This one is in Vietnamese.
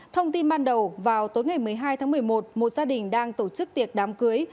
thông tin ban đầu vào tối ngày một mươi hai tháng một mươi một một gia đình đang tổ chức tiệc đám cưới